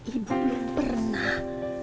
ibu belum pernah